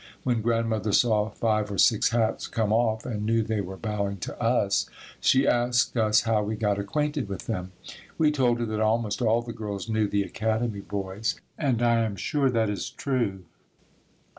When Grandmother saw five or six hats come off and knew they were bowing to us, she asked us how we got acquainted with them. We told her that almost all the girls knew the Academy boys and I am sure that is true.